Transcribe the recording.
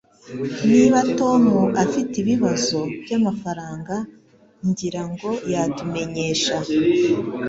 Niba Tom afite ibibazo byamafaranga, ngira ngo yatumenyesha.